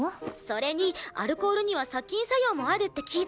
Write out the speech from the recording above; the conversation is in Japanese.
それにアルコールには殺菌作用もあるって聞いたよ。